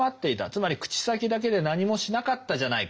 つまり口先だけで何もしなかったじゃないかと。